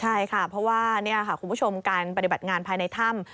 ใช่ค่ะเพราะว่านี่ค่ะคุณผู้ชมการปฏิบัติงานภายในถ้ำ